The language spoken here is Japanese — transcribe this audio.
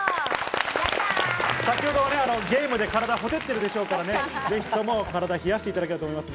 先ほどゲームで体が火照っているでしょうから、ぜひとも体を冷やしていただきたいです。